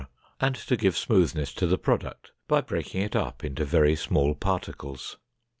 and to give smoothness to the product by breaking it up into very small particles.